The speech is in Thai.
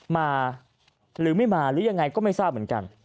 มาหรือไม่มาหรือยังไงก็ไม่ทราบเหมือนกัน